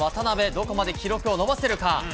どこまで記録を伸ばせるか。